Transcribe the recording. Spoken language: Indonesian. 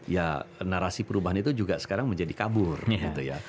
ya narasi perubahan itu juga sekarang menjadi kabur gitu ya